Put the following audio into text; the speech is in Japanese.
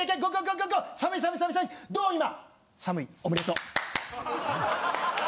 おめでとう！